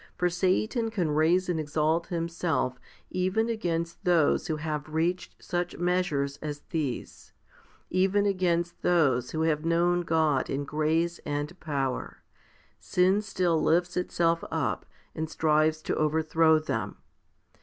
2 For Satan can raise and exalt himself even against those who have reached such measures as these ; even against those who have known God in grace and power, sin still lifts itself up and strives to overthrow them.